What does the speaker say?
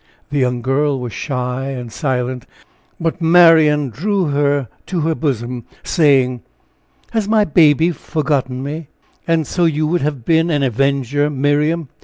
The young girl was shy and silent, but Marian drew to her bosom, saying: "Has my 'baby' forgotten me? And so, you would have been an avenger, Miriam.